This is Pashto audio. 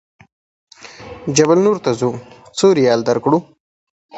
جبل نور ته ځو څو ریاله درکړو.